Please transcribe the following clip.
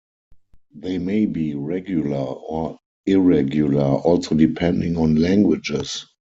They may be regular or irregular also depending on languages.